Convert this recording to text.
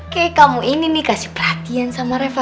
kek kamu ini nih kasih perhatian sama reva